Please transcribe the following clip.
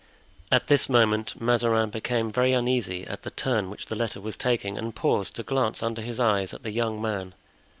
At this moment Mazarin became very uneasy at the turn which the letter was taking and paused to glance under his eyes at the young man.